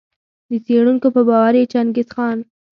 د څېړونکو په باور چي چنګیز خان